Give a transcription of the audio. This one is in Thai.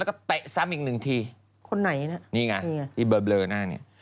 แล้วก็แปะซ้ำอีกหนึ่งทีนี่ไงไอ้เบอร์เบลอหน้านี้